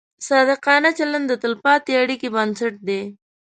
صادقانه چلند د تلپاتې اړیکې بنسټ دی.